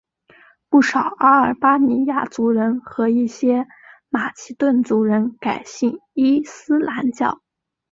不少阿尔巴尼亚族人和一些马其顿族人改信伊斯兰教。